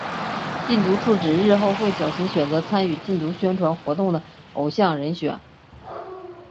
禁毒处指日后会小心选择参与禁毒宣传活动的偶像人选。